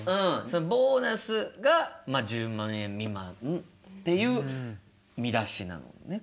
ボーナスが１０万円未満っていう見出しなのね。